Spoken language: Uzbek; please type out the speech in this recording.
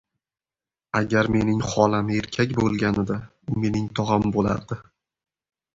• Agar mening xolam erkak bo‘lganida, u mening tog‘am bo‘lardi.